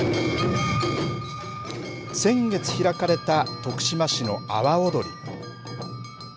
先月開かれた徳島市の阿波おどり。